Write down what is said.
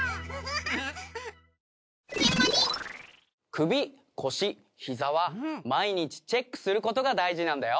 首腰膝は毎日チェックすることが大事なんだよ。